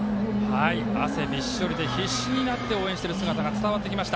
汗びっしょりで必死になって応援している姿が伝わってきました。